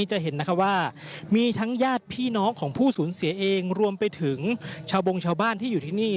จะเห็นนะคะว่ามีทั้งญาติพี่น้องของผู้สูญเสียเองรวมไปถึงชาวบงชาวบ้านที่อยู่ที่นี่